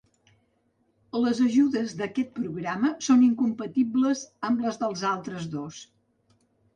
Les ajudes d’aquest programa són incompatibles amb les dels altres dos.